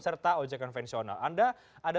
serta ojek konvensional anda ada